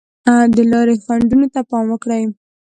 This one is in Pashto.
د لارې خنډونو ته پام وکړئ.